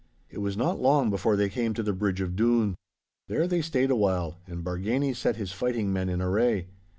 It was not long before they came to the bridge of Doon. There they stayed awhile, and Bargany set his fighting men in array.